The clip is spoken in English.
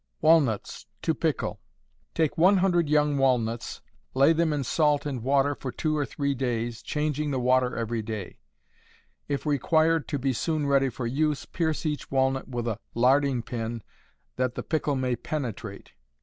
Walnuts, to Pickle. Take 100 young walnuts, lay them in salt and water for two or three days, changing the water every day. (If required to be soon ready for use, pierce each walnut with a larding pin that the pickle may penetrate).